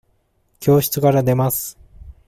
教室から出ます。